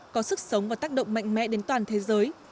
có sức sống và tác động mạnh mẽ đến toàn thế giới